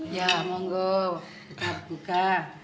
ya monggo buka